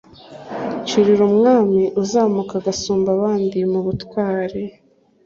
Cyurira umwami uzamuka agasumba abandi mu butwari